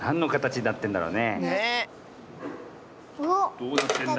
どうなってんだ？